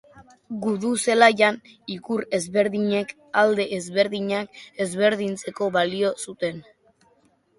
Gudu zelaian, ikur ezberdinek, alde ezberdinak ezberdintzeko balio zuten.